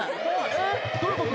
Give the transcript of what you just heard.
えっ、どういうこと？